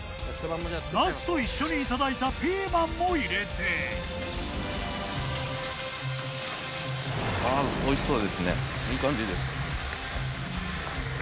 ナスと一緒にいただいたピーマンも入れておいしそうですねいい感じです